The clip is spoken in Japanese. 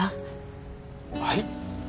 はい？